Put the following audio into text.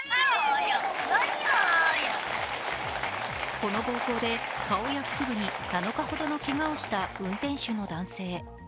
この暴行で顔や腹部に７日ほどのけがをした運転手の男性。